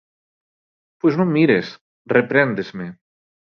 Pois non mires, repréndesme.